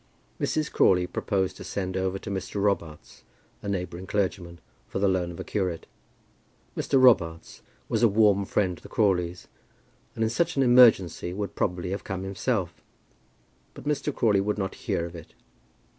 Mrs. Crawley proposed to send over to Mr. Robarts, a neighbouring clergyman, for the loan of a curate. Mr. Robarts was a warm friend to the Crawleys, and in such an emergency would probably have come himself; but Mr. Crawley would not hear of it.